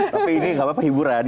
tapi ini gak apa apa hiburan